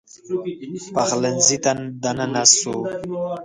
پخلنځي ته دننه سو